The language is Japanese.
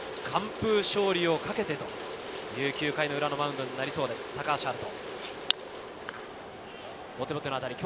プロ初の完封勝利をかけてという９回裏のマウンドになりそうです、高橋遥人。